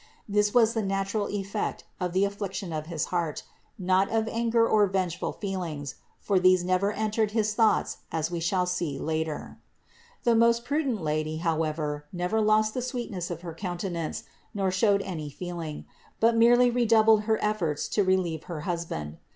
This was the natural effect of the affliction of his heart, not of anger or vengeful feelings; for these never entered his thoughts, as we shall see later. The most prudent Lady, however, never lost the sweetness of her countenance, nor showed any feeling; but merely redoubled her efforts to relieve her husband.